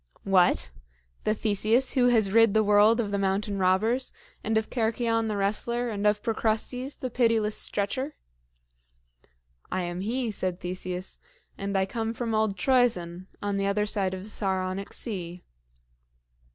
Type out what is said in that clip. "What? the Theseus who has rid the world of the mountain robbers, and of Cercyon the wrestler, and of Procrustes, the pitiless Stretcher?" "I am he," said Theseus; "and I come from old Troezen, on the other side of the Saronic Sea."